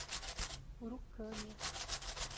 Urucânia